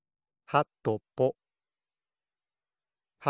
はとぽ。